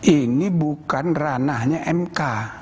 ini bukan ranahnya mk